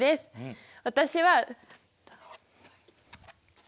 私は。